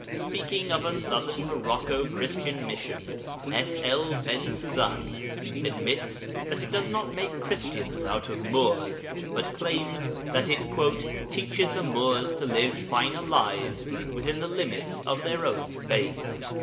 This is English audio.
Speaking of a Southern Morocco Christian mission, S. L. Bensusan admits that it does not make Christians out of Moors, but claims that it 'teaches the Moors to live finer lives within the limits of their own faith.'